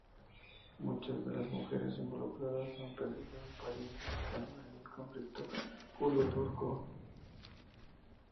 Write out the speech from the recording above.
Muchas de las mujeres involucradas han perdido un pariente cercano en el conflicto kurdo-turco.